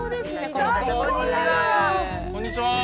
こんにちは。